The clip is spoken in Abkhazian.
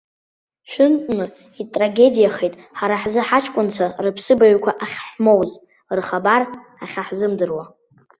Шәынтәны итрагедиахеит ҳара ҳзы ҳаҷкәынцәа рыԥсыбаҩқәа ахьҳмоуз, рыхабар ахьаҳзымдыруа.